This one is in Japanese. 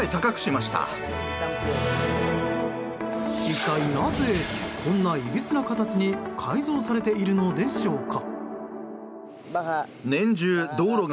一体なぜ、こんないびつな形に改造されているのでしょうか。